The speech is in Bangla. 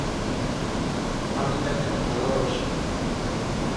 আমি তাকে ভালোবাসি!